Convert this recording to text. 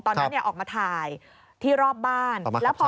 ตอนนั้นออกมาถ่ายที่รอบบ้าน